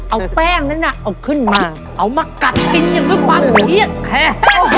เอาแป้งนั้นน่ะเอาขึ้นมาเอามากัดกินอย่างด้วยความเชี้ยแคร์